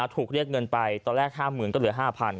ถูกเรียกเงินไปตอนแรก๕๐๐๐ก็เหลือ๕๐๐